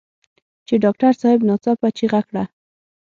چې ډاکټر صاحب ناڅاپه چيغه کړه.